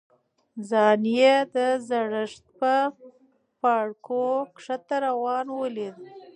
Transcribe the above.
ځان یې د زړښت په پاړکو ښکته روان ولید.